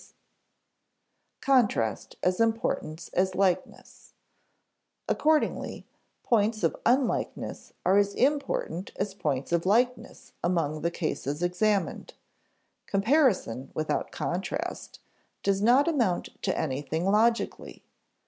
_ [Sidenote: Contrast as important as likeness] Accordingly, points of unlikeness are as important as points of likeness among the cases examined. Comparison, without contrast, does not amount to anything logically.